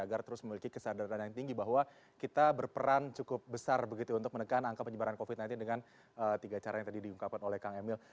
agar terus memiliki kesadaran yang tinggi bahwa kita berperan cukup besar begitu untuk menekan angka penyebaran covid sembilan belas dengan tiga cara yang tadi diungkapkan oleh kang emil